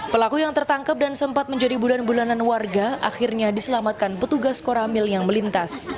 pelaku yang tertangkap dan sempat menjadi bulan bulanan warga akhirnya diselamatkan petugas koramil yang melintas